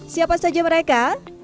siapa saja mereka